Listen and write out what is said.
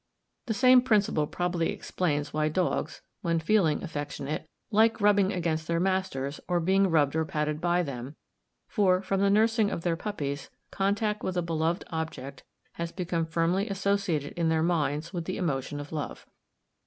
The same principle probably explains why dogs, when feeling affectionate, like rubbing against their masters and being rubbed or patted by them, for from the nursing of their puppies, contact with a beloved object has become firmly associated in their minds with the emotion of love.